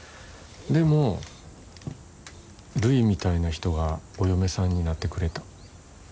でもるいみたいな人がお嫁さんになってくれた。